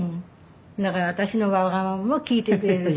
だから私のわがままも聞いてくれるし。